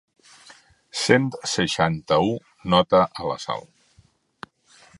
Cent seixanta-u nota a la Sal.